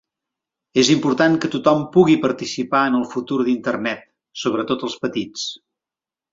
És important que tothom pugui participar en el futur d'internet, sobretot els petits.